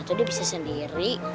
atau dia bisa sendiri